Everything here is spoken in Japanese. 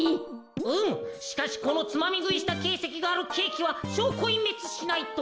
うんしかしこのつまみぐいしたけいせきがあるケーキはしょうこいんめつしないと。